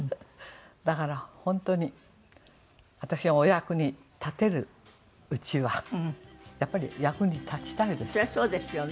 だから本当に私がお役に立てるうちはやっぱり役に立ちたいですし。